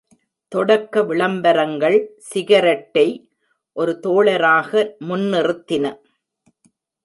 தொடக்க விளம்பரங்கள் சிகரெட்டை ஒரு தோழராக முன்னிறுத்தின.